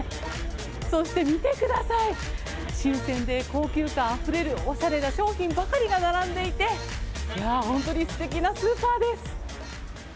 そして見てください、新鮮で高級感あふれるおしゃれな商品ばかりが並んでいて、いやー、本当にすてきなスーパーです。